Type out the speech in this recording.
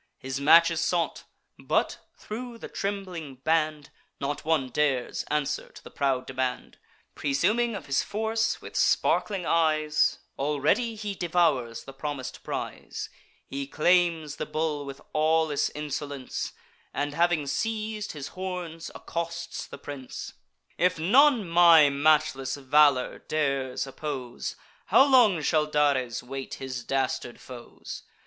His match is sought; but, thro' the trembling band, Not one dares answer to the proud demand. Presuming of his force, with sparkling eyes Already he devours the promis'd prize. He claims the bull with awless insolence, And having seiz'd his horns, accosts the prince: "If none my matchless valour dares oppose, How long shall Dares wait his dastard foes?